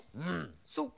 そっか